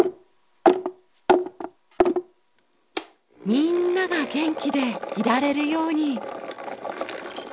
みんなが元気でいられるように。